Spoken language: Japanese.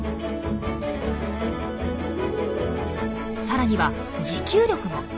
さらには持久力も。